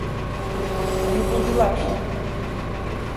Onu buldular.